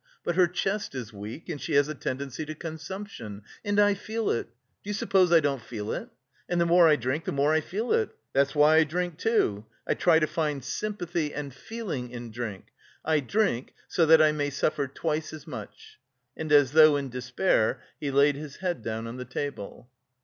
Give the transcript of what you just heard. But her chest is weak and she has a tendency to consumption and I feel it! Do you suppose I don't feel it? And the more I drink the more I feel it. That's why I drink too. I try to find sympathy and feeling in drink.... I drink so that I may suffer twice as much!" And as though in despair he laid his head down on the table.